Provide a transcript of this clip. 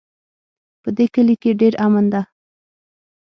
په دې کلي کې ډېر امن ده